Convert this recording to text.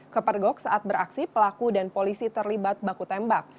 kepergok saat beraksi pelaku dan polisi terlibat baku tembak